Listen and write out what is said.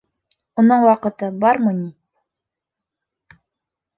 — Уның ваҡыты бармы ни?